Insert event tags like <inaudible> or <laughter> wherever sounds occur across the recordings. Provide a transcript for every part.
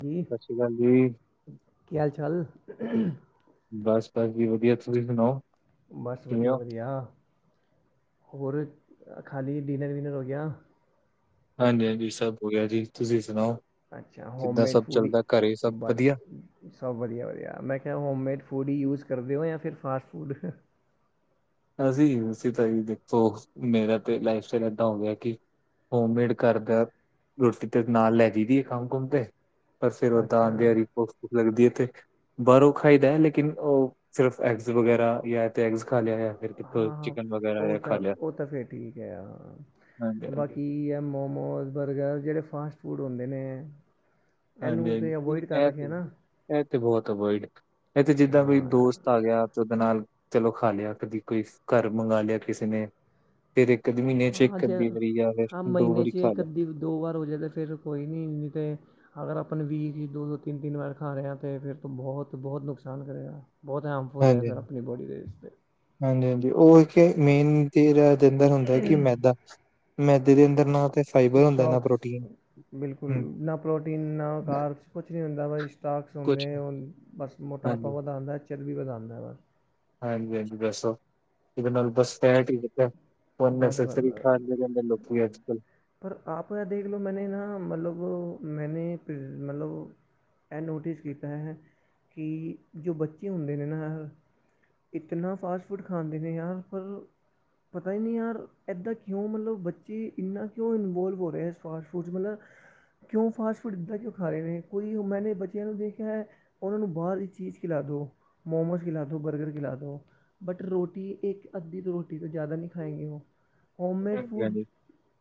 ਕੀ ਸਤਿ ਸ਼੍ਰੀ ਅਕਾਲ ਜੀ। ਹਾਲ-ਚਾਲ? ਬਸ-ਬਸ, ਜੀ ਵਧੀਆ, ਤੁਸੀਂ ਸੁਣਾਓ? ਬਸ ਕਿਵੇਂ ਹੋ? ਵਧੀਆ-ਵਧੀਆ ਹੋਰ ਖਾਲੀ ਡਿਨਰ-ਵਿਨਰ ਹੋ ਗਿਆ? ਹਾਂਜੀ-ਹਾਂਜੀ, ਸਭ ਹੋ ਗਿਆ ਜੀ, ਤੁਸੀਂ ਸੁਣਾਓ? ਅੱਛਾ, ਹੋਮ ਕਿੱਦਾਂ ਮੇਡ ਸਭ ਫੂਡੀ ਚੱਲਦਾ ਘਰੇ ਸਭ ਬਸ ਵਧੀਆ? ਸਭ ਵਧੀਆ-ਵਧੀਆ, ਮੈਂ ਕਿਹਾ ਹੋਮੇਡ ਫੂਡ ਹੀ ਯੂਜ਼ ਕਰਦੇ ਹੋ ਜਾਂ ਫਿਰ ਫਾਸਟ ਫੂਡ? ਅਸੀਂ ਯੂਜ ਕੀਤਾ ਫੋਗ ਮੇਰਾ ਤੇ ਲਾਈਫ ਸਟਾਈਲ ਏਦਾਂ ਹੋ ਗਿਆ ਕਿ ਹੋਮਮੇਡ ਘਰਦਾ ਰੋਟੀ ਤੇ ਨਾਲ ਲੈ ਜਾਈ ਦੀ ਹੈ ਕੰਮ-ਕੁਮ ਤੇ ਪਰ ਫਿਰ ਉਦਾਂ ਅੱਛਾ ਦੇ ਦਿਹਾੜੀ ਭੁੱਖ-ਭੁੱਖ ਲੱਗਦੀ ' ਬਾਹਰੋਂ ਉਹ ਖਾਈਦਾ ਹੈ, ਲੇਕਿਨ ਉਹ ਸਿਰਫ ਐਗਜ਼ ਵਗੈਰਾ ਜਾਂ ਐਗਜ਼ ਖਾ ਲਿਆ ਜਾਂ ਫਿਰ ਕਿਥੋਂ ਹਾਂ-ਹਾਂ ਚਿਕਨ ਵਗੈਰਾ ਉਹ ਜਾਂ ਖਾ ਤਾਂ ਲਿਆ ਉਹ ਤਾਂ ਫੇਰ ਠੀਕ ਹੈ ਹਾਂਜੀ ਹਾਂ ਹਾਂਜੀ। ਬਾਕੀ ਇਹ ਮੋਮੋਸ ਬਰਗਰ ਜਿਹੜੇ ਫਾਸਟ ਫੂਡ ਹੁੰਦੇ ਨੇ ਹਾਂਜੀ ਇਹਨੂੰ ਹਾਂਜੀ ਤੇ ਨਹੀਂ ਅਵੋਇਡ ਕਰ ਇਹ ਰਹੇ ਤੇ ਹੈ ਨਾ ਇਹ ਤੇ ਬਹੁਤ ਅਵੋਇਡ ਇਥੇ ਜਿੱਦਾਂ ਵੀ ਹਾਂ ਦੋਸਤ ਆ ਗਿਆ ਤੇ ਉਹਦੇ ਨਾਲ ਚਲੋ ਖਾ ਲਿਆ ਕਦੀ ਕੋਈ ਘਰ ਮੰਗਵਾ ਲਿਆ ਕਿਸੇ ਨੇ ਫਿਰ ਇੱਕ ਅੱਧੇ ਮਹੀਨੇ ਚ ਹਾਂ ਇੱਕ ਜੇ ਅੱਧੀ ਵਾਰੀ ਜਾਂ ਫਿਰ ਹਾਂ ਦੋ ਮਹੀਨੇ ਵਾਰੀ 'ਚ ਖਾ ਇੱਕ ਲਿਆ ਅੱਧੀ ਦੋ ਵਾਰ ਹੋ ਜੇ ਤਾਂ ਫਿਰ ਕੋਈ ਨਹੀਂ ਇੰਨੀ ਤੇ ਅਗਰ ਆਪਾਂ ਵੀ ਦੋ ਦੋ ਤਿੰਨ ਤਿੰਨ ਵਾਰ ਖਾ ਰਹੇ ਤੇ ਫਿਰ ਤੋਂ ਬਹੁਤ ਬਹੁਤ ਨੁਕਸਾਨ ਕਰੇਗਾ ਬਹੁਤ ਹਾਮਫੁੱਲ ਹਾਂਜੀ ਫਿਰ ਹਾਂਜੀ ਆਪਣੀ ਬੋਡੀ ਦੇ ਇਸ 'ਤੇ ਹਾਂਜੀ ਹਾਂਜੀ ਉਹ ਇੱਕ ਮੇਨ ਚੀਜ਼ <unintelligible> ਮੈਦਾ ਮੈਦੇ ਦੇ ਅੰਦਰ ਨਾ ਤੇ ਫਾਈਬਰ ਹੁੰਦਾ ਨਾ ਸਟੋਕਸ ਪ੍ਰੋਟੀਨ ਬਿਲਕੁਲ ਹੂੰ ਨਾ ਪ੍ਰੋਟੀਨ ਨਾ ਉਕਾਰ ਕੁਛ ਨਹੀਂ ਹੁੰਦਾ ਭਾਈ ਸਟਾਕਸ ਕੁਛ ਹੁੰਦੇ ਹੁਣ ਬਸ ਮੋਟਾਪਾ ਹਾਂਜੀ ਵਧਾਉਂਦਾ ਚਰਬੀ ਵੀ ਵਧਾਉਂਦਾ ਹਾਂਜੀ ਹਾਂਜੀ ਦੱਸੋ ਇਹਦੇ ਨਾਲ ਬਸ ਫੈਟ ਹੀ ਕੀਤਾ ਹੈ ਪਰ ਬਸ ਬਸ ਬਸ। <unintelligible> ਲੋਕੀ ਅੱਜ ਕੱਲ ਪਰ ਆਪ ਦੇਖ ਲਓ ਮੈਂਨੇ ਨਾ ਮਤਲਬ ਮੈਂਨੇ ਮਤਲਬ ਇਹ ਨੋਟਿਸ ਕੀਤਾ ਹੈ ਕਿ ਜੋ ਬੱਚੇ ਹੁੰਦੇ ਨਾਲ ਇਤਨਾ ਫਾਸਟ ਫੂਡ ਖਾਂਦੇ ਨੇ ਪਰ ਪਤਾ ਹੀ ਨਹੀਂ ਯਾਰ ਇੱਦਾਂ ਕਿਉਂ ਮਤਲਬ ਬੱਚੇ ਇੰਨਾ ਕਿਉਂ ਇਨਵੋਲਵ ਹੋ ਰਿਹਾ ਇਸ ਫਾਸਟ ਫੂਡ 'ਚ ਮਤਲਬ ਕਿਉਂ ਫਾਸਟ ਫੂਡ ਇਦਾਂ ਕਿਉਂ ਖਾ ਰਹੇ ਨੇ ਕੋਈ ਮੈਂਨੇ ਬੱਚਿਆਂ ਨੂੰ ਦੇਖ ਰਿਹਾ ਹੈ। ਉਹਨਾਂ ਨੂੰ ਬਾਹਰ ਦੀ ਚੀਜ਼ ਖਿਲਾ ਦੋ ਮੋਮੋਸ ਖਿਲਾ ਦੋ ਬਰਗਰ ਖਿਲਾ ਦੋ ਬਟ ਰੋਟੀ ਇੱਕ ਅੱਧੀ ਤੋਂ ਰੋਟੀ ਤੋਂ ਜ਼ਿਆਦਾ ਨਹੀਂ ਖਾਏਗੇ ਉਹ ਹੋਮ ਮੇਡ ਹਾਂਜੀ ਫੂਡ ਹਾਂਜੀ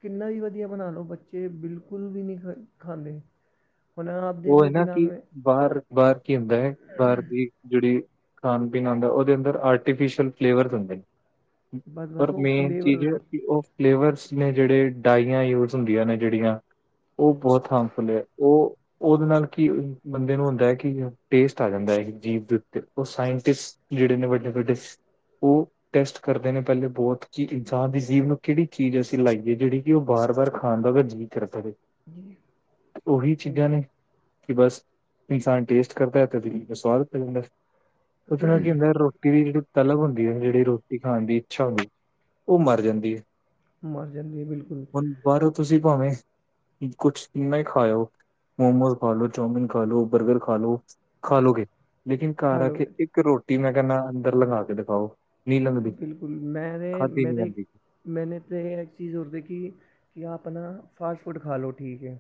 ਕਿੰਨਾ ਵੀ ਵਧੀਆ ਬਣਾ ਲਓ ਬੱਚੇ ਬਿਲਕੁਲ ਵੀ ਨਹੀਂ ਖਾਂਦੇ ਹੁਣ ਆਪ ਦੇਖ ਉਹ ਹੈ ਲਓ ਨਾ ਨਾਮ ਕਿ ਬਾਹਰ ਬਾਹਰ ਕੀ ਹੁੰਦਾ ਹੈ ਬਾਹਰ ਦੀ ਜੁੜੀ ਖਾਣ ਪੀਣ ਆਉਂਦਾ ਉਹਦੇ ਅੰਦਰ ਆਰਟੀਫਿਸ਼ਲ ਫਲੇਵਰ ਹੁੰਦੇ ਨੇ ਬਸ ਪਰ ਬਸ ਉਹ ਮੇਨ ਫਲੇਵਰ ਚੀਜ਼ ਕਿ ਉਹ ਫਲੇਵਰਸ ਨੇ ਜਿਹੜੇ ਡਾਈਆਂ ਯੂਜ ਹੁੰਦੀਆਂ ਨੇ ਜਿਹੜੀਆਂ ਉਹ ਬਹੁਤ ਹਾਮਫੁਲ ਹੈ ਉਹ ਉਹਦੇ ਨਾਲ ਕੀ ਬੰਦੇ ਨੂੰ ਹੁੰਦਾ ਹੈ ਕਿ ਟੇਸਟ ਆ ਜਾਂਦਾ ਹੈ ਜੀਵ ਦੇ ਉੱਤੇ ਉਹ ਸਾਇੰਟਿਸਟ ਜਿਹੜੇ ਨੇ ਵੱਡੇ ਵੱਡੇ ਉਹ ਟੈਸਟ ਕਰਦੇ ਨੇ ਪਹਿਲੇ ਬਹੁਤ ਕਿ ਇਨਸਾਨ ਦੀ ਜੀਵ ਨੂੰ ਕਿਹੜੀ ਚੀਜ਼ ਅਸੀਂ ਲਾਈਏ ਜਿਹੜੀ ਕਿ ਉਹ ਬਾਰ ਬਾਰ ਖਾਣ ਨੂੰ ਜੀ ਕਰਦਾ ਵੇ <unintelligible> ਸਹੀ ਕਿ ਬਸ ਇਨਸਾਨ ਟੇਸਟ ਕਰਦਾ ਹੈ ਤੇ ਕਦੀ ਸਵਾਦ ਪੈ ਜਾਂਦਾ ਪੁੱਛਣਾ ਵੀ ਹੁੰਦਾ ਰੋਟੀ ਦੀ ਜਿਹੜੀ ਤਲਬ ਹੁੰਦੀ ਹੈ ਜਿਹੜੀ ਰੋ ਰੋਟੀ ਖਾਣ ਦੀ ਇੱਛਾ ਹੁੰਦੀ ਉਹ ਮਰ ਜਾਂਦੀ ਹੈ। ਮਰ ਜਾਂਦੀ ਹੈ ਬਿਲਕੁਲ ਹੁਣ ਬਾਹਰੋਂ ਤੁਸੀਂ ਭਾਵੇਂ ਕੁਛ ਇੰਨਾ ਹੀ ਖਾ ਆਇਓ। ਮੋਮੋਸ ਖਾ ਲੋ ਚਾਊਮਨ ਖਾ ਲੋ ਬਰਗਰ ਖਾ ਲੋ ਖਾ ਲੋੋ ਗੇ ਲੇਕਿਨ ਘਰ ਆ ਕੇ ਇੱਕ। ਇੱਕ ਰੋਟੀ ਮੈਂ ਕਿਹਾ ਨਾ ਅੰਦਰ ਲਗਾ ਕੇ ਦਿਖਾਓ। ਨਹੀਂ ਲੰਘਦੀ ਬਿਲਕੁਲ ਮੈਨੇ ਖਾਧੀ ਨਹੀਂ ਮੇਰੀ। ਜਾਂਦੀ ਮੈਂਨੇ ਤਾਂ ਇੱਕ ਚੀਜ਼ ਔਰ ਦੇਖੀ ਕਿ ਆਪਣਾ ਫਾਸਟ ਫੂਡ ਖਾ ਲਓ ਠੀਕ ਹੈ।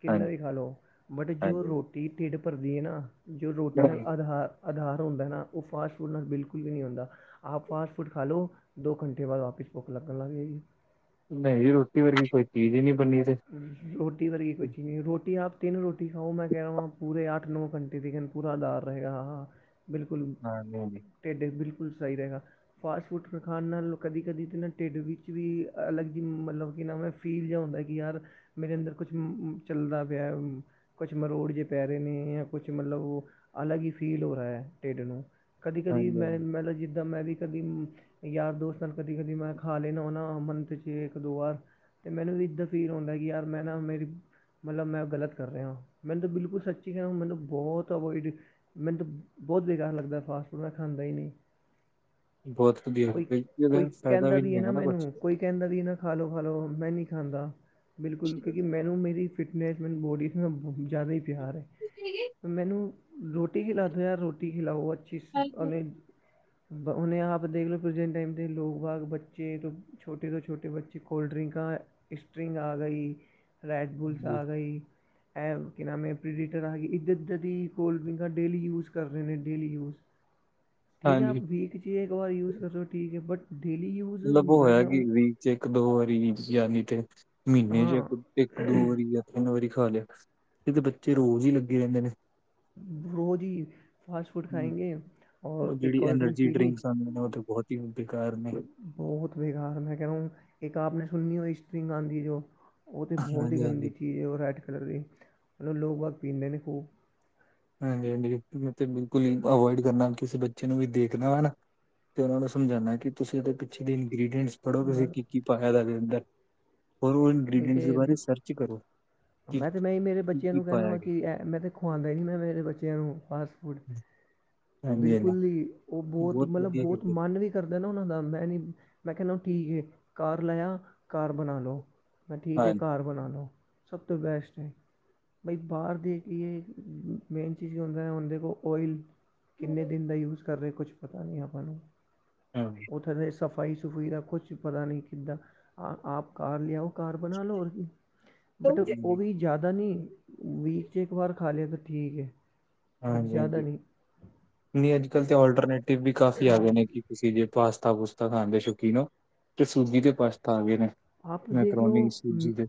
ਕਿੰਨਾ ਹਾਂਜੀ ਵੀ ਖਾ ਲਓ ਬਟ ਜੋ ਹਾਂਜੀ ਰੋਟੀ ਢਿੱਡ ਭਰਦੀ ਹੈ, ਨਾ ਜੋ ਰੋਟੀ ਨਾਲ ਨਹੀਂ ਆਧਾਰ। ਆਧਾਰ ਹੁੰਦਾ ਨਾ, ਉਹ ਫਾਸਟ ਫੂਡ ਨਾਲ ਬਿਲਕੁਲ ਵੀ ਨਹੀਂ ਹੁੰਦਾ‌। ਆਪ ਫਾਸਟ ਫੂਡ ਖਾ ਲੋ ਦੋ ਘੰਟੇ ਬਾਅਦ ਵਾਪਿਸ ਭੁੱਖ ਲੱਗਣ ਲੱਗ ਜਾਵੇਗੀ। ਨਹੀਂ ਰੋਟੀ ਵਰਗੀ ਕੋਈ ਚੀਜ਼ ਹੀ ਨਹੀਂ ਬਣੀ ਤੇ। ਰੋਟੀ ਵਰਗੀ ਕੋਈ ਚੀਜ਼ ਨਹੀਂ ਰੋਟੀ ਆਪ ਤਿੰਨ ਰੋਟੀ ਖਾਓ ਮੈਂ ਕਹਿ ਰਵਾਂ ਪੂਰੇ ਅੱਠ। ਨੌਂ ਘੰਟੇ ਦੇਖਨ ਪੂਰਾ ਅਧਾਰ ਰਏਗਾ ਬਿਲਕੁਲ। ਹਾਂਜੀ ਹਾਂਜੀ ਢਿੱਡ ਬਿਲਕੁਲ ਸਈ ਰਏਗਾ। ਫਾਸਟ ਫੂਡ ਫੇਰ ਖਾਣ ਨਾਲ ਕਦੀ ਕਦੀ ਤੇ ਨਾ ਢਿੱਡ ਵਿੱਚ ਵੀ ਅਲੱਗ ਜਈ ਮਲਬ ਕਿ ਨਾ ਮੈਂ ਫੀਲ ਜਿਆ ਹੁੰਦੈ। ਯਾਰ, ਮੇਰੇ ਅੰਦਰ ਕੁਛ ਮੁ ਚੱਲਦਾ ਪਿਆ ਏ ਕੁਛ ਮਰੋੜ ਜੇ ਪੈ ਰੇ ਨੇ ਜਾਂ ਕੁਛ ਮਲਬ ਓ ਅਲੱਗ ਈ ਫੀਲ ਹੋਰਾ ਏ ਢਿੱਡ ਨੂੰ। ਕਦੀ, ਕਦੀ ਹਾਂਜੀ ਮੈਂ ਹਾਂਜੀ ਮਲਬ ਜਿੱਦਾਂ ਮੈਂ ਵੀ ਕਦੀ ਯਾਰ ਦੋਸਤਾਂ ਨਾ ਕਦੀ, ਕਦੀ ਮੈਂ ਖਾ ਲੈਨਾ ਓ ਨਾ ਮੰਨਥ ਚ ਇੱਕ ਦੋ ਵਾਰ। ਤੇ ਮੈਨੂੰ ਵੀ ਇਦਾਂ ਫੀਲ ਹੁੰਂਦਾ ਕਿ ਯਾਰ ਮੈਂ ਨਾ ਮੇਰੀ ਮਲਬ ਮੈਂ ਗਲਤ ਕਰ ਰਿਆਂ ਮੈਨੂੰ ਤੇ ਬਿਲਕੁਲ ਸੱਚੀ ਕੈ ਮੇਨੂੰ ਬਹੁਤ ਅਵੋਇਡ ਮੈਨੂੰ ਤੇ ਬਓਤ ਬੇਕਾਰ ਲੱਗਦਾ ਫਾਸਟ ਫੂਡ ਮੈਂ ਖਾਂਦਾ ਈ ਨਈ। ਬਹੁਤ ਵਧੀਆ ਕੋਈ, ਕਿਉਂਕਿ ਕੋਈ ਉਹਦਾ ਫਾਇਦਾ ਕੈਂਦਾ ਵੀ ਏ ਨਹੀਂ ਨਾ ਹੈਗਾ ਕੁਛ ਮੈਨੂੰ ਕੋਈ ਕੈਂਦਾ ਵੀ ਏ ਨਾ ਖਾ ਲੋ ਖਾ ਲੋ, ਮੈਂ ਨੀ ਖਾਂਦਾ ਬਿਲਕੁਲ ਕਿਉਂਕਿ ਮੈਨੂੰ ਮੇਰੀ ਫਿਟਨੈਸ ਮੈਨੂੰ ਬੋਡੀ ਨਾ ਬਹੁ ਜ਼ਿਆਦਾ ਈ ਪਿਆਰ ਐ ਮੈਨੂੰ। ਰੋਟੀ ਖਿਲਾ ਤੇ ਯਾਰ ਰੋਟੀ ਖਿਲਾਓ ਅੱਛੀ ਸ ਹਾਂਜੀ। ਅਲੀ। ਓਨੇ ਆਪ ਦੇਖ ਲੋ ਪ੍ਰਜੈਂਟ ਟਾਈਮ ਦੇ ਲੋਕ, ਬਾਗ ਬੱਚੇ ਛੋਟੇ ਤੋਂ ਛੋਟੇ ਬੱਚੇ ਕੋਲਡ ਡਰਿੰਕਾ। ਸਟਰਿੰਗ ਆ ਗਈ ਰੈੱਡ ਬੁਲਸ ਜੀ, ਆ ਗਈ। ਐ ਕਿ ਨਾਮ ਐ ਪ੍ਰੀਰੇਟਰ ਆ ਗਈ ਇੱਧ ਇੱਧ ਦੀ ਕੋਲਡ ਡਰਿੰਕਾਂ ਡੇਲੀ ਯੂਜ਼ ਕਰ ਰੇ ਨੇ ਡੇਲੀ ਯੂਜ਼। ਠੀਕ ਐ, ਆਪ ਹਾਂਜੀ। ਵੀਕ ਚੀ ਇੱਕ ਵਾਰੀ ਯੂਜ ਕਰ ਰੇ ਓ ਠੀਕ ਐ ਬਟ। ਡੇਲੀ ਯੂਜ਼ ਮਤਲਬ ਉਹ ਮੈਂ ਹੋਇਆ ਕਿਆ। ਕਿ ਵੀਕ ਇੱਕ ਦੋ ਵਾਰੀ ਵੀ ਯਾਨੀ ਤੇ ਮੀਨੇ ਚ ਇੱਕ ਇੱਕ ਦੋ ਵਾਰੀ ਵੀ ਆ ਤਿੰਨ ਵਾਰੀ ਖਾ ਲਿਆ, ਏ ਤੇ ਬੱਚੇ ਰੋਜ਼ ਈ ਲੱਗੇ ਰੈਂਦੇ ਨੇ। ਰੋਜ਼ ਹੀ ਫਾਸਟ ਫੂਡ ਹਮ, ਖਾਏਂਗੇ, ਉਹ ਔਰ ਇੱਕ ਜਿਹੜੀ ਕੋਲਡ ਡਰਿੰਕ ਐਨਰਜੀ ਪੀ ਲੀ। ਡਰਿੰਕਸ ਉਹ ਬਹੁਤ ਹੀ ਬੇਕਾਰ ਨੇ। <unintelligible> ਬਹੁਤ ਬੇਕਾਰ, ਮੈਂ ਕੈ ਰਾ ਹੂੰ ਇੱਕ ਆਪ ਨੇ ਸੁਨੀ ਓ ਸਟਰਿੰਗ ਆਉਂਦੀ ਜੋ। ਓ ਤੇ ਬਹੁਤ ਹੀ ਹਾਂਜੀ ਗੰਦੀ ਹਾਂਜੀ। ਚੀਜ਼ ਐ, ਓ ਰੈੱਡ ਕਲਰ ਦੀ ਮਲਬ ਲੋਕ ਬਹੁ ਪੀਂਦੇ ਨੇ ਖੂਬ। ਹਾਂਜੀ, ਹਾਂਜੀ ਓ ਬਿਲਕੁਲ ਈ ਅਵੋਇਡ ਕਰਨਾ ਕਿਸੇ ਬੱਚੇ ਨੂੰ ਵੀ ਦੇਖਨਾ ਲਵਾ। ਤੇ ਉਨਾਂ ਨੂੰ ਸਮਝਾਨਾ ਕਿ ਤੁਸੀਂ ਇਦੇ ਪਿੱਛੇ ਦੇ ਇੰਗਰੀਡੀਐਂਟਸ ਪੜ੍ਹੋ ਤੁਸੀਂ ਬਸ ਕੀ ਕੀ ਪਾਇਆ ਦਾ ਏਦੇ ਅੰਦਰ। ਔਰ ਉਨ ਉਹੀ ਤੇ ਇੰਗ੍ਰਡੀਂਟਸ ਦੇ ਬਾਰੇ ਮੈਂ ਸਰਚ ਕਰੋ ਕਿ ਤੇ ਮੈਂ ਹੀ ਮੇਰੇ ਕੀ ਬੱਚਿਆਂ ਕੀ ਨੂੰ ਕਹਿੰਦਾ ਪਾਇਆ ਵਾਂ ਗਿਆ। ਕਿ ਮੈਂ ਤੇ ਖੁਵਾਂਦਾ ਈ ਨੀ ਮੈਂ ਮੇਰੇ ਬੱਚਿਆਂ ਨੂੰ ਫਾਸਟ ਫੂਡ ਹਾਂਜੀ ਹਾਂਜੀ ਬਿਲਕੁਲ ਈ। ਉ ਬੌਤ ਬਹੁਤ ਮਲਬ ਵਧੀਆ ਬੌਤ ਕਰਦੇ ਮਨ ਵੀ ਕਰਦਾ ਨਾ ਉਨਾਂ ਦਾ ਮੈਂ ਨੀ ਮੈਂ ਕਹਿਨਾ ਕੀ ਏ ਘਰ ਲੇਆ, ਘਰ ਬਣਾ ਲੋ। ਮੈਂ ਠੀਕ ਏ ਹਾਂਜੀ। ਘਰ ਬਣਾ ਲੈ ਸਭ ਤੋਂ ਬੈਸਟ ਐ। ਬਈ ਬਾਅਰ ਦੇ ਕੀ ਏ ਮੇਨ ਚੀਜ਼ ਹੁੰਦਾ ਐ, ਓਂਦੇ ਕੋਲ ਓਇਲ। ਕਿੰਨੇ ਦਿਨ ਦਾ ਯੂਜ਼ ਕਰ ਰੇ ਕੁਛ ਪਤਾ ਨੀ ਆਪਾਂ ਨੂੰ। ਹਾਂ। ਓਥੇ ਤੇ ਸਫ਼ਾਈ, ਸਫੂਈ ਦਾ ਕੁਛ ਪਤਾ ਨਈ ਕਿੱਦਾ ਆ ਆਪ ਘਰ ਲਿਆਓ। ਘਰ ਬਨਾ ਲੋ ਔਰ ਕੀ ਬਟ ਓ ਹਾਂਜੀ ਵੀ ਜ਼ਿਆਦਾ ਨੀ ਵੀਕ 'ਚ ਇੱਕ ਵਾਰ ਖਾ ਲਿਆ ਤਾਂ ਠੀਕ ਐ। ਹਾਂਜੀ, ਹਾਂਜੀ ਨਈ ਅੱਜ ਕਲ ਤੇ ਆਲਟਰਨੇਟਿਵ ਵੀ ਕਾਫੀ ਆ ਗਏ ਨੇ ਕਿ ਤੁਸੀਂ ਜੇ ਪਾਸਤਾ, ਪੂਸਤਾ ਖਾਣ ਦੇ ਸ਼ੁਕੀਨ ਓ। ਤੇ ਸੂਜੀ ਦੇ ਪਾਸ਼ਤਾ ਆ ਗੇ ਨੇ ਆਪ ਦੇਖ ਮੈਂਕਰੋਨੀ ਲਓ ਮ- ਸੂਜੀ ਦੇ।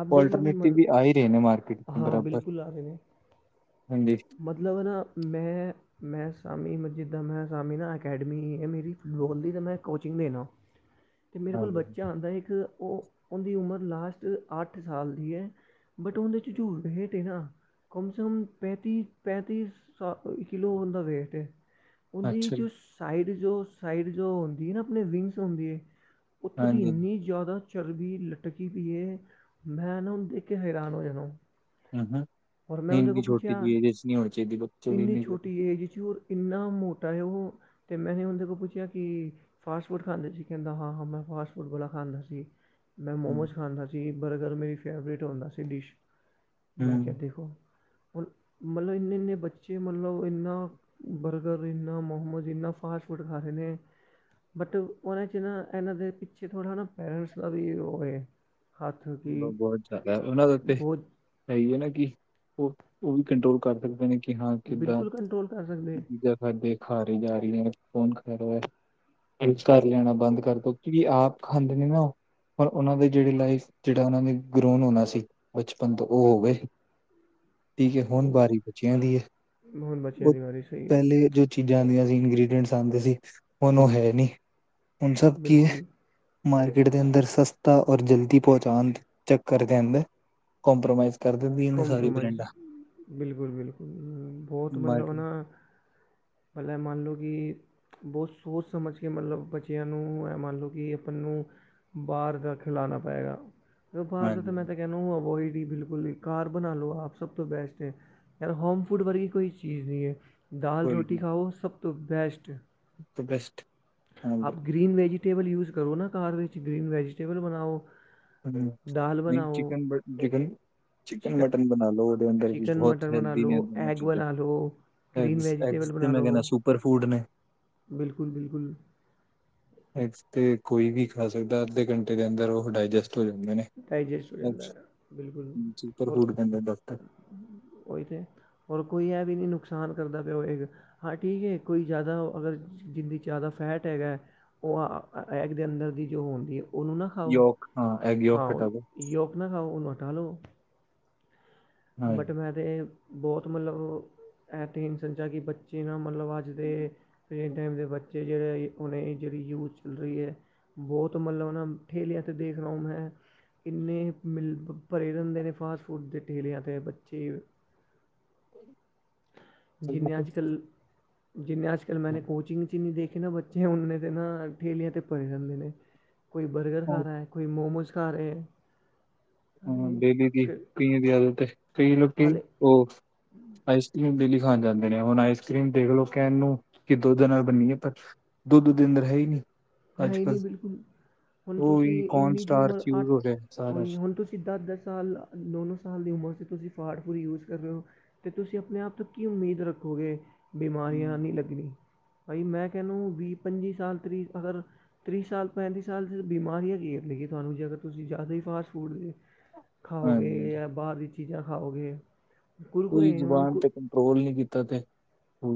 ਆਪ ਦੇਖ ਲਓ ਕਿ ਕਵਾਲਟਰਨੇਟਿਵ ਮਲ ਵੀ ਆ ਈ ਰਏ ਨੇ ਮਾਰਕੀਟ ਹਾਂ, ਬਰਾਬਰ ਬਿਲਕੁਲ ਆ ਰੇ ਨੇ ਹਾਂਜੀ ਮਤਲਬ ਐ ਨਾ ਮੈਂ ਮੈਂ ਸਾਮੀ ਮ ਜਿੱਦਾਂ ਮੈਂ ਸਾਮੀ ਨਾ ਅਕੈਡਮੀ ਐ ਮੇਰੀ ਬੋਲੀ ਤੇ ਮੈਂ ਕੋਚਿੰਗ ਦੇਨਾ। ਤੇ ਮੇਰੇ ਕੋਲ ਹਾਂਜੀ ਬੱਚਾ ਆਉਂਦਾ ਇੱਕ ਉਹ ਉਹਦੀ ਉਮਰ ਲਾਸਟ ਅੱਠ ਸਾਲ ਦੀ ਹੈ ਬਟ ਉਹਦੇ ਝੂਠਹੇਠ ਨਾ ਕਮ ਸੇ ਕਮ ਪੈਂਤੀਸ ਪੈਂਤੀਸ ਸ ਕਿਲੋ ਹ ਦਾ ਵੇਟ ਹੈ ਉਹਦੀ ਅੱਛਾ ਜੋ ਜੀ ਸਾਈਡ ਜੋ ਸਾਈਡ ਜੋ ਹੁੰਦੀ ਨਾ ਆਪਣੇ ਵਿੰਗਸ ਹੁੰਦੀ ਹੈ ਉੱਥੋਂ ਦੀ ਹਾਂਜੀ ਹਾਂਜੀ ਇੰਨੀ ਜ਼ਿਆਦਾ ਚਰਬੀ ਲਟਕੀ ਵੀਈ ਹੈ ਮੈਂ ਨਾ ਉੱਨ ਦੇਖ ਕੇ ਹੈਰਾਨ ਹੋ ਜਾਣਾ ਹੈਨਾ ਮੈਂ ਉਦੇ ਕੋ ਪੁੱਛਿਆ ਚਾਹੀਦੀ ਬੱਚੇ ਵੀ ਇੰਨੀ ਜ਼ਿਆਦਾ ਛੋਟੀ ਏਜ ਚ ਹੋਰ ਇੰਨਾ ਮੋਟਾ ਹੈ ਉਹ ਅਤੇ ਮੈਂ ਉਹਦੇ ਕੋਲ ਪੁੱਛਿਆ ਕਿ ਫਾਸਟ ਫੂਡ ਖਾਂਦੇ ਸੀ ਕਹਿੰਦਾ ਹਾਂ ਹਾਂ ਮੈਂ ਫਾਸਟ ਫੂਡ ਵਾਲਾ ਖਾਂਦਾ ਸੀ ਮੈਂ ਹੂੰ ਮੋਮੋਸ ਖਾਂਦਾ ਸੀ ਬਰਗਰ ਮੇਰੀ ਫੇਵਰੇਟ ਹੁੰਦਾ ਸੀ ਡਿਸ਼ ਮੈਂ ਕਿਹਾ ਹੂੰ ਦੇਖੋ ਹੁਨ ਮਤਲਬ ਇੰਨੇ ਇੰਨੇ ਬੱਚੇ ਮਤਲਬ ਇੰਨਾ ਬਰਗਰ ਇੰਨਾ ਮੋਮੋਜ਼ ਇੰਨਾ ਫਾਸਟ ਫੂਡ ਖਾ ਰਹੇ ਨੇ ਬਟ ਉਹਨਾਂ 'ਚ ਨਾ ਇਹਨਾਂ ਦੇ ਪਿੱਛੇ ਥੋੜ੍ਹਾ ਨਾ ਪੇਰੈਂਟਸ ਦਾ ਵੀ ਉਹ ਹੈ ਹੱਥ ਕਿ ਬਹੁਤ ਜਾਆਦਾ ਉਹਨਾਂ ਦੇ ਉੱਤੇ ਬਹੁਤ ਹੈ ਹੀ ਹੈ ਨਾ ਕਿ ਉਹ ਉਹ ਵੀ ਕੰਟਰੋਲ ਕਰ ਸਕਦੇ ਨੇ ਕਿ ਹਾਂ ਬਿਲਕੁਲ ਕੰਟਰੋਲ ਕਰ ਸਕਦੇ ਕਿੱਦਾਂੀਜਾ ਬੰਦੇ ਖਾਰੀ ਜਾ ਰਹੀ ਨੇ ਹੈੌਣ ਖੇਰੋ ਏ ਕਰ ਲੈਣਾ ਬੰਦ ਕਰਦੋ ਕਿਉਂਕਿ ਆਪ ਖਾਂਦੇ ਨੇ ਨਾ ਉਹ ਪਰ ਉਹਨਾਂ ਦੇ ਜਿਹੜੇ ਲਾਈਫ ਜਿਹੜਾ ਉਹਨਾਂ ਨੇ ਗਰੂਨ ਹੋਣਾ ਸੀ ਬਚਪਨ ਤੋਂ ਉਹ ਹੋ ਗਏ ਠੀਕ ਹੈ ਹੁਣ ਉਹ ਬਾਰੀ ਬੱਚਿਆਂ ਦੀ ਹੈ ਹੁਣ ਬੱਚਿਆਂ ਉਹ ਦੀ ਵਾਰੀ ਸਹੀ ਹੈ ਪਹਿਲੇ ਜੋ ਚੀਜ਼ਾਂ ਦੀਆਂ ਸੀ ਇੰਗ੍ਰਡੀਅਂਟਸ ਆਉਂਦੇ ਸੀ ਉਹਨੂੰ ਹੈ ਨਹੀਂੀ ਹੁਣ ਸਭ ਕੀ ਹੈ ਬਿਲਕੁਲ ਮਾਰਕੀਟ ਦੇ ਅੰਦਰ ਸਸਤਾ ਔਰ ਜਲਦੀ ਪਹੁੰਚਾਦ ਚੱਕਰ ਕਿਹਦਾ ਕੰਪ੍ਰੋਮਾਈਜ਼ ਕੰਪ੍ਰੋਮਾਈਜ਼ ਬਿਲਕੁਲ ਬਿਲਕੁਲ ਬਹੁਤ ਮਤਲਬ ਮਾਰਕੀਟ ਨਾ ਪਹਿਲੇ ਮੰਨ ਲਉ ਕਿ ਬਹੁਤ ਸੋਚ ਸਮਝ ਕੇ ਮਤਲਬ ਬੱਚਿਆਂ ਨੂੰ ਹੈ ਮੰਨ ਲਓ ਕਿ ਆਪਾਂ ਨੂੰ ਬਾਹਰ ਦਾ ਖੀਲਾਣਾ ਪਏਗਾ ਜੋਂ ਬਾਹਰ ਦਾ ਹਾਂਜੀ ਤਾਂ ਮੈਂ ਹਾਂਜੀ ਤਾਂ ਕਹਿਣਾ ਅਵੋਇਡ ਹੀ ਬਿਲਕੁਲ ਹੀ ਘਾਰ ਬਣਾ ਲਓ ਆਪ ਸਭ ਤੋਂ ਬੈਸਟ ਹੈ ਯਾਰ ਹੋਮ ਫੂਡ ਵਰਗੀ ਕੋਈ ਚੀਜ਼ ਨਹੀਂ ਹੈ ਦਾਲ ਰੋਟੀ ਖਾਓ ਸਭ ਤੋਂ ਬੈਸਟ ਏ ਦ ਬੈਸਟ ਆਪ ਹਾਂਜੀ ਗ੍ਰੀਨ ਵੈਜੀਟੇਬਲ ਯੂਜ ਕਰੋ ਨਾ ਘਰ ਵਿੱਚ ਗ੍ਰੀਨ ਵੈਜੀਟੇਬਲ ਬਣਾਓ ਹਮ ਨਹੀਂ ਚਿਕਨ ਬ ਚਿਕਨ ਚਿਕਨ ਮਟਨ ਬਣਾ ਲੋ ਉਹਦੇ ਅੰਦਰ ਵੀ ਬਹੁਤ ਹੈਲਦੀ ਨੇ ਦੋਨੋ ਚੀਜ਼ਾਂ ਐੱਗਜ਼ ਐੱਗਜ ਤੇ ਮੈਂ ਕਹਿੰਣਾ ਸੁਪਰ ਫੂਡ ਨੇ ਬਿਲਕੁਲ ਬਿਲਕੁਲ ਏਗਜ਼ ਤੇ ਕੋਈ ਵੀ ਖਾ ਸਕਦਾ ਅੱਧੇ ਘੰਟੇ ਦੇ ਅੰਦਰ ਉਹ ਡਾਇਜਸਟ ਹੋ ਜਾਂਦੇ ਨੇ ਡਾਈਜੈਸਟ ਹੋ ਜਾਂਦਾ ਹੈ ਬਿਲਕੁਲ ਸੁਪਰ ਰ ਫੂਡ ਕਹਿੰਦੇ ਡਾਕਟਰ ਉਹ ਇਥੇ ਔਰ ਕੋਈ ਹੈ ਵੀ ਨਹੀਂ ਨੁਕਸਾਨ ਕਰਦਾ ਪਿਆ ਹੋਏ ਹਾਂ ਠੀਕ ਹੈ ਕੋਈ ਜ਼ਿਆਦਾ ਅਗਰ ਜਿੰਦੀ 'ਚ ਜ਼ਿਆਦਾ ਫੈਟ ਹੈਗਾ ਉਹ ਐਗ ਦੇ ਅੰਦਰ ਦੀ ਜੋ ਹੁੰਦੀ ਹੈ ਉਹਨੂੰ ਨਾ ਖਾਓ ਯੋਕ ਹਾਂ ਐਗ ਯੋਕ ਹਾਂ ਹਟਾ ਦੋ ਯਉਕ ਨਾਕ ਖਾਓ ਉਨੂੰ ਹਟਾ ਲਓ ਹਾਂ ਬਟ ਮੈਂ ਤਾਂ ਇਹ ਬਹੁਤ ਮਤਲਬ ਐਤਨਸਝਾਂ ਕਿ ਬ ਜਨਾ ਮਤਲਬ ਅੱਜ ਦੇ ਫੇ ਟਾਈਮ ਦੇ ਬੱਚੇਿਹੜੇ ਉਹੇ ਜਿਹੜੀ ਯੂਥ ਚੱਲ ਰਦੀਹੀ ਹੈ ਬਹੁਤ ਮਤਲਬ ਨਾ ਠੇਲਿਆਂ ਤੇ ਦੇਖ ਰਹ ਮੈਂ ਕਿੰਨੇ ਮਿਲ ਭਰੇ ਰਹਿੰਦੇ ਨੇ ਫਾਸਟ ਫੂਡ ਦੇ ਠੇਲਿਆਂ ਤੇ ਬੱਚੇ ਜਿਵੇਂ, ਅੱਜ ਕੱਲ੍ਹ ਜਿਵੇਂ ਅੱਜ ਕੱਲ੍ਹ ਮੈਂਨੇ ਕੋਚਿੰਗ ਚੀਨੀ ਦੇਖ ਕੇ ਨਾ ਬੱਚੇ ਉਨੇ ਦੇ ਨਾ ਠੇਲਿਆਂ ਤੇ ਪਏ ਰਹਿੰਦੇ ਨੇ, ਕੋਈ ਬਰਗਰ ਖਾ ਰਿਹਾ ਹੈ। ਕੋਈ ਮੋਮੋਸ ਖਾ ਰਹੇ, ਹਾਂ ਅਰੇ ਗੀ ਗੀ ਫਿਰ ਕਈਆਂ ਦੀ ਆਦਤ ਹੈ, ਕਈ ਲੋਕੀ ਹਾਲੇ ਉਹ ਆਈਸ ਕਰ੍ਰੀਮ ਡੇਲੀ ਖਾਣ ਜਾਂਦੇ ਨੇ ਹੁਣ, ਆਈਸ ਕਰ੍ਰੀਮ ਦੇਖਲਓ ਕਹਿਣ ਨੂੰ ਕਿ ਦੁੱਧ ਨਾਲ ਬੰਨੀਏ ਪਰ ਦੁੱਧ ਓਹਦੇ ਅੰਦਰ ਹੈ ਨਹੀਂਂ ਹੈ ਨਹੀਂ ਬਿਲਕੁਲ ਹੁਣ ਉਹੀ ਤੁਸੀਂ ਕੌਨ ਇੰਨੀ ਜਿਹੀ ਉਮਰ ਸਟਾਰਚ ਅੱਠ ਯੂਜ ਹੋ ਰਿਹਾ ਸਾਰਾ ਹੋਈ ਹੁਣ, ਤੁਸੀਂ ਦਸ-ਦਸ ਸਾਲ ਨੌ-ਨੌ ਸਾਲ ਦੀ ਉਮਰ 'ਚ ਤੁਸੀਂ ਫਾਡਪੂਰੀ ਯੂਜ ਕਰ ਰਹੇ ਹੋ ਤੇ ਤੁਸੀਂ ਆਪਣੇ ਆਪ ਤੋਂ ਕੀ ਉਮੀਦ ਰੱਖੋਗੇ ਬਿਮਾਰੀਆਂ ਨਹੀਂ ਲੱਗਣੀ ਭਾਈ, ਮੈਂ ਕਹ ਨੂੰ ਵੀਹ ਪੰਜੀ ਸਾਲ ਤੀਹ ਅਗਰ ਤੀਹ ਸਾਲ ਪੈਂਤੀ ਸਾਲ ਜਦ ਬਿਮਾਰੀਆ ਹੀ ਘੇਰ ਲੇਗੀ ਤੁਹਾਨੂੰ ਜੇ ਅਗਰ ਤੁਸੀਂ ਜ਼ਿਆਦਾ ਹੀ ਫਾਸਟ ਫੂਡ ਦੇ ਹਾਂਜੀ ਖਾਓਗੇ ਹਾਂਜੀ ਜਾਂ ਬਾਹਰ ਦੀਆਂ ਚੀਜ਼ਾਂ ਖਾਓਗੇ, ਕੁਰਕੁਰੇ ਹੁਣ ਕੂ ਟੋਲ ਨੀ ਕੀਤਾ ਤੈਂ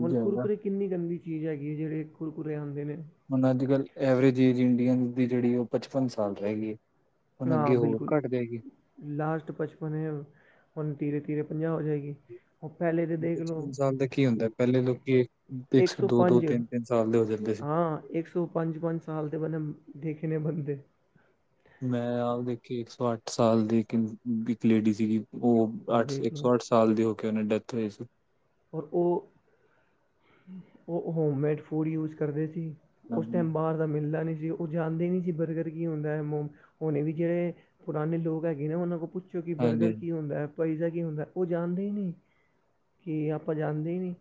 ਹੁਣ ਕੁਰਕੁਰੇ ਕਿੰਨੀ ਗੰਦੀ ਚੀਜ਼ ਹੈਗੀ ਏ, ਜਿਹੜੇ ਕੁਰਕੁਰੇ ਆਉਂਦੇ ਨੇ ਹੁਣ, ਅੱਜ ਕੱਲ੍ਹ ਐਵਰੇਜ ਏਜ ਇੰਡੀਅਨ ਦੀ ਜਿਹੜੀ ਉਹ ਪਚਪਨ ਸਾਲ ਰਹਿ ਗਈ। ਹੁਣ ਹਾਂ ਅੱਗੇ ਹੋਰ ਬਿਲਕੁਲ ਘੱਟ ਜਾਏਗੀ। ਲਾਸਟ ਪਚਪਨ ਹੈ, ਹੁਣ ਤੀਰੇ ਤੀਰੇ ਪੰਜਾਹ ਜਾਏਗੀ। ਪਚਪਨ ਸਾਲ ਦਾ ਕੀ ਹੁੰਦਾ, ਪਹਿਲੇ ਲੋਕੀ ਇੱਕ ਸੋ ਦੋ-ਦੋ ਤਿੰਨ- ਤਿੰਨ ਸਾਲ ਦੇ ਹੋ ਜਾਂਦੇ, ਸੀ। ਹਾਂ ਇੱਕ ਸੌ ਪੰਜ ਪੰਜ ਸਾਲ ਦੇ ਪਹਿਲਾ ਦੇਖੇ ਨੇ ਬੰਦੇ ਮੈਂ ਆਪ ਦੇਖੀ, ਇੱਕ ਸੌ ਅੱਠ ਸਾਲ ਦੀ ਇੱਕ ਲੇਡੀ ਸੀਗੀ ਉਹ ਅੱਠ ਦੇਖ ਇੱਕ ਲਓ ਸੌ ਅੱਠ ਸਾਲ ਦੀ ਹੋ ਕੇ ਉਹਨਾਂ ਦੀ ਡੈਥ ਹੋਈ ਸੀ। ਔਰ ਉਹ ਉਹ ਹੋਮਮੇਡ ਫੂਡ ਯੂਜ ਕਰਦੇ ਸੀ। ਉਸ ਹਾਂਜੀ ਟਾਈਮ ਬਾਹਰ ਦਾ ਮਿਲਦਾ ਨਹੀਂ ਸੀ, ਉਹ ਜਾਣਦੇ ਨਹੀਂ ਸੀ ਬਰਗਰ ਕੀ ਹੁੰਦਾ ਹੈ, ਮੋਮ ਹੋਣੇ ਵੀ ਜਿਹੜੇ ਪੁਰਾਣੇ ਲੋਕ ਹੈਗੇ ਨੇ ਉਹਨਾਂ ਕੋਲੋਂ ਪੁੱਛੋ ਕਿ ਬਰਗਰ ਹਾਂਜੀ। ਕੀ ਹੁੰਦਾ ਹੈ, ਪੀਜ਼ਾ ਕੀ ਹੁੰਦਾ ਉਹ ਜਾਣਦੇ ਹੀ ਨਹੀਂ ਕਿ, ਆਪਾਂ ਜਾਂਦੇ ਨਹੀਂ